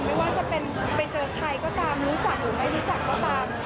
ไม่ว่าจะไปเจอใครก็ตามรู้จักหรือไม่รู้จักก็ตาม